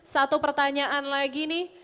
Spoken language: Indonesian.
satu pertanyaan lagi nih